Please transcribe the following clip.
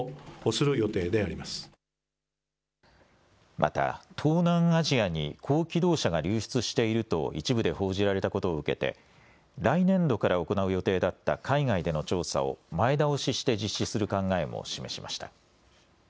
また東南アジアに高機動車が流出していると一部で報じられたことを受けて来年度から行う予定だった海外での調査を前倒しして実施する考えも示しました。